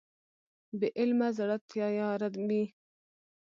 بې علمه زړه تیاره وي.